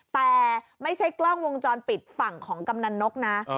แต่ไม่ใช่กล้องวงจรปิดฝั่งของกำนันนกนะ